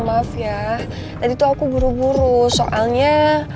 maaf ya tadi tuh aku buru buru soalnya